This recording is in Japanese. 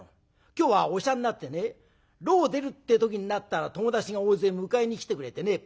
今日は御赦になってね牢を出るってえ時になったら友達が大勢迎えに来てくれてね。